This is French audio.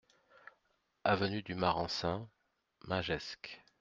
Avenue du Marensin, Magescq